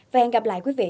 và hẹn gặp lại quý vị